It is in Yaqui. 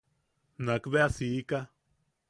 Nak bea siika.